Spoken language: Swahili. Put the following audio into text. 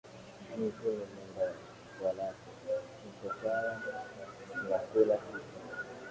Mtu ni mwenda kwa lake., mtoshawa na kula kitu